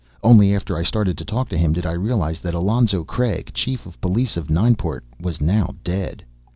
Only after I started to talk to him did I realize that Alonzo Craig, Chief of Police of Nineport, was now dead.